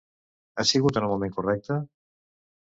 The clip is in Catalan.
Ha sigut en el moment correcte?